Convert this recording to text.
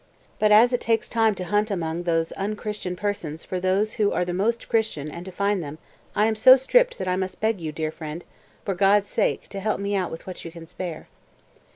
But as it takes time to hunt among these un Christian persons for those who are the most Christian and to find them, I am so stripped that I must beg you, dear friend, for God's sake to help me out with what you can spare."